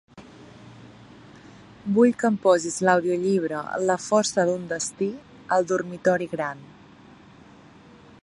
Vull que em posis l'audiollibre "La força d'un destí" al dormitori gran.